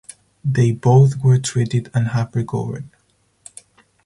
They both were treated and have recovered.